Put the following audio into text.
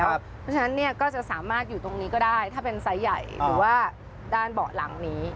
เพราะฉะนั้นเนี่ยก็จะสามารถอยู่ตรงนี้ก็ได้ถ้าเป็นไซส์ใหญ่หรือว่าด้านเบาะหลังนี้